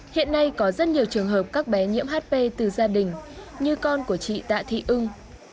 hiện nay có rất nhiều trường hợp các bé nhiễm hp từ gia đình như con của chị tạ thị ưng